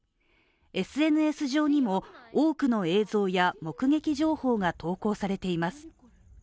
ＳＮＳ上にも、多くの映像や目撃情報が投稿されています。